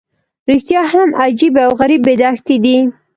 رښتیا هم عجیبې او غریبې دښتې دي.